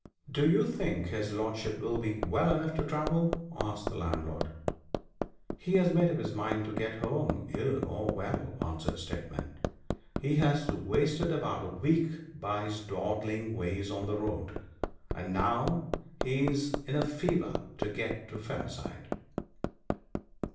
'Do you think his lordship will be well enough to travel?' asked the landlord. 'He has made up his mind to get home ill or well,' answered Steadman. 'He has wasted about a week by his dawdling ways on the road; and now he's in a fever to get to Fellside.'